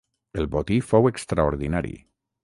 El botí fou extraordinari.